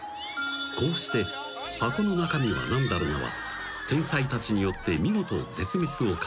［こうして「箱の中身はなんだろな？」は天才たちによって見事絶滅を回避］